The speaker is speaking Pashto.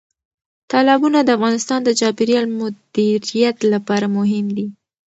تالابونه د افغانستان د چاپیریال مدیریت لپاره مهم دي.